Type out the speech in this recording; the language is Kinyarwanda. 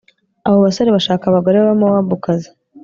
abo basore bashaka abagore b'abamowabukazi